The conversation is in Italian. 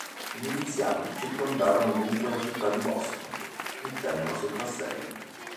I miliziani circondarono dunque la città di Boston, mettendola sotto assedio.